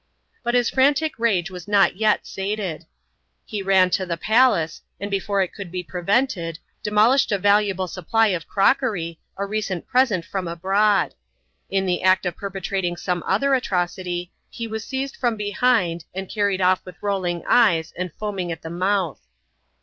But his frantic rage was not yet sated. He ran to the palace ; and before it could be prevented, demolished a valuable supply of crockery, a recent present from abroad. In the act of perpetrating some other atrocity, he was seized from behind, and carried off with rolling eyes and foaming at the mouth.